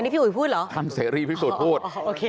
อันนี้พี่อุ๋ยพูดเหรอโอเคท่านเสรีพิสูจน์พูด